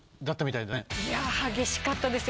いや激しかったですよ。